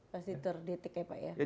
pasti terdetik ya pak ya